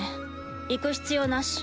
行く必要なし。